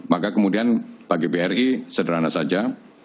maka kemudian bagi bri sederhana saja